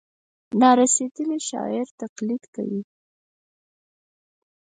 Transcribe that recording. نا رسېدلي شاعر تقلید کوي.